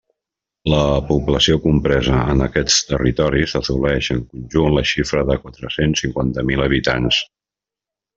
La població compresa en aquests territoris assoleix en conjunt la xifra de quatre-cents cinquanta mil habitants.